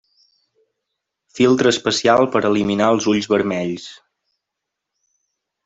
Filtre especial per eliminar els ulls vermells.